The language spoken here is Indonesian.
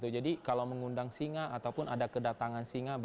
jadi kalau mengundang singa ataupun ada kedatangan singa